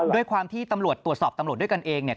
ด้วยความที่ตำรวจตรวจสอบตำรวจด้วยกันเองเนี่ย